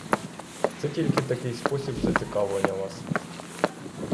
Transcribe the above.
Це тільки такий спосіб зацікавлення вас.